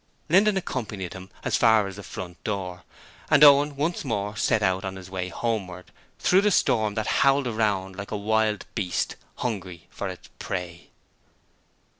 Linden accompanied him as far as the front door, and Owen once more set out on his way homeward through the storm that howled around like a wild beast hungry for its prey.